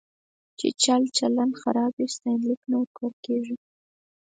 چې چلچلن خراب وي، ستاینلیک نه ورکول کېږي.